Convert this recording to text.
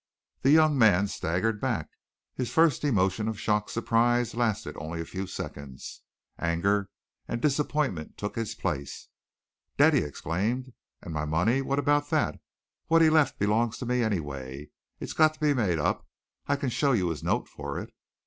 The young man staggered back. His first emotion of shocked surprise lasted only a few seconds. Anger and disappointment took its place. "Dead?" he exclaimed. "And my money what about that? What he left belongs to me, anyway. It's got to be made up. I can show you his note for it."